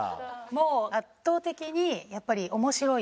もう圧倒的にやっぱり面白い。